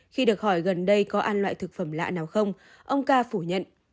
khi được hỏi gần đây có ăn loại thực phẩm lạ nào không ông ca phủ nhận